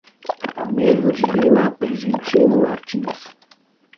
Almerio de Lima Pergentino Martins